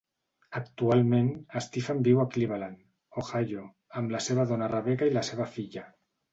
Actualment, Stephen viu a Cleveland, Ohio amb la seva dona Rebecca i la seva filla.